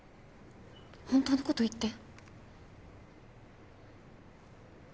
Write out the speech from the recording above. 本当の事言って。